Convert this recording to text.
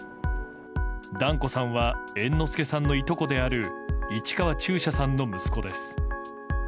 團子さんは猿之助さんのいとこである市川中車さんの息子です。